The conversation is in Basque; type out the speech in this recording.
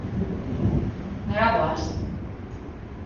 Nora goaz?